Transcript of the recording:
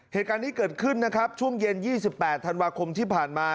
เหตุการณ์นี้เกิดขึ้นนะครับช่วงเย็น๒๘ธันวาคมที่ผ่านมา